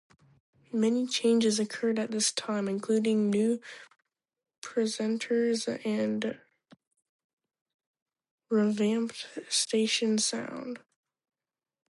Many changes occurred at this time, including new presenters and a revamped station sound.